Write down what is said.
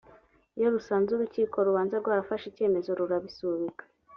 iyo rusanze urukiko rubanza rwarafashe ikemezo, rurabisubika